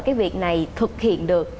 cái việc này thực hiện được